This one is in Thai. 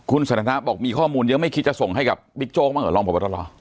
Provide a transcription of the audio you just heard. คุณสันธนาบอกมีข้อมูลยังไม่คิดจะส่งให้กับบิ๊กโจ๊กมาเหรอลองปรบประตอบรอ